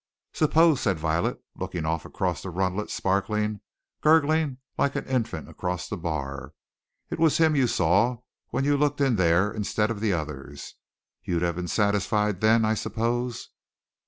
"Suppose," said Violet, looking off across the runlet sparkling, gurgling like an infant across the bar, "it was him you saw when you looked in there, instead of the others. You'd have been satisfied then, I suppose?"